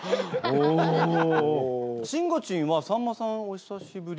しんごちんはさんまさんお久しぶり？